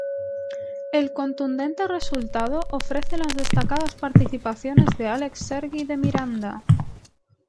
El contundente resultado ofrece las destacadas participaciones de Alex Sergi de Miranda!